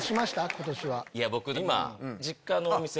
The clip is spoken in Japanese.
今年は。